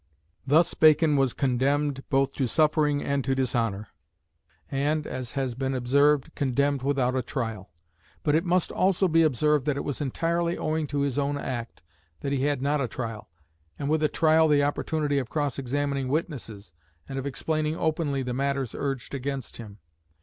Thus Bacon was condemned both to suffering and to dishonour; and, as has been observed, condemned without a trial. But it must also be observed that it was entirely owing to his own act that he had not a trial, and with a trial the opportunity of cross examining witnesses and of explaining openly the matters urged against him.